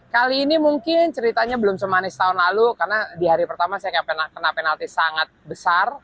kali ini mungkin ceritanya belum semanis tahun lalu karena di hari pertama saya kena penalti sangat besar